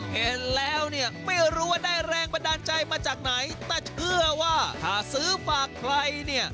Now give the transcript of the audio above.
เห็นแล้วเนี่ยไม่รู้ว่าได้แรงบันดาลใจมาจากไหนแต่เชื่อว่าถ้าซื้อฝากใครเนี่ย